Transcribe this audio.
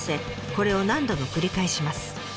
これを何度も繰り返します。